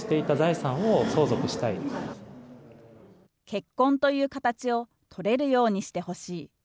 結婚という形をとれるようにしてほしい。